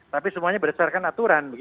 tapi semuanya berdasarkan aturan